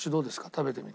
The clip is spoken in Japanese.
食べてみて。